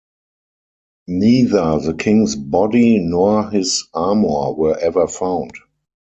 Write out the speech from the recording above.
Neither the king's body nor his armor were ever found.